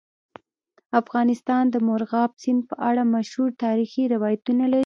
افغانستان د مورغاب سیند په اړه مشهور تاریخی روایتونه لري.